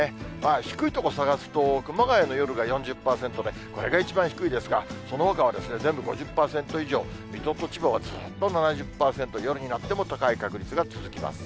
低い所探すと、熊谷の夜が４０％で、これが一番低いですが、そのほかは全部５０％以上、水戸と千葉はずっと７０％、夜になっても高い確率が続きます。